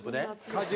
果汁。